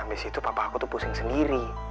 abis itu papa aku tuh pusing sendiri